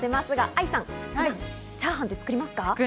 愛さん、チャーハンは作りますか？